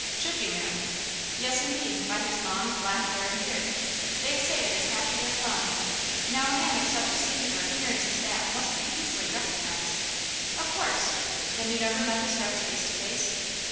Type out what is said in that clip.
"Should you, ma'am?" "Yes, indeed, by his long, black hair and beard! They say it is half a yard long–now a man of such a singular appearance as that must be easily recognized!" "Of course! Then you never met this wretch face to face?"